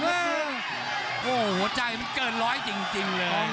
โอ้โหหัวใจมันเกินร้อยจริงเลย